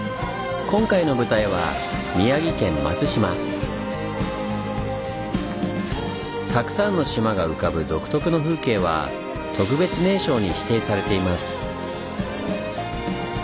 今回の舞台はたくさんの島が浮かぶ独特の風景は特別名勝に指定されています。